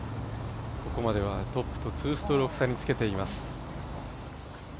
ここまではトップと２ストローク差につけています。